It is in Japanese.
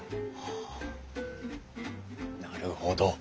あなるほど。